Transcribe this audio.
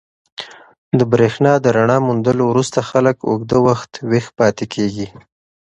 د برېښنا د رڼا موندلو وروسته خلک اوږده وخت ویښ پاتې کېږي.